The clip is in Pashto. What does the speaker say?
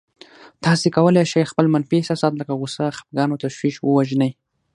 تاسې کولای شئ خپل منفي احساسات لکه غوسه، خپګان او تشويش ووژنئ.